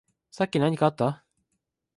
さっき何かあった？